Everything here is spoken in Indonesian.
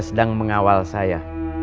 sedang mengawal saya